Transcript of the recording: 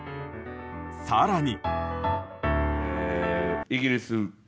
更に。